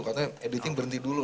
katanya editing berhenti dulu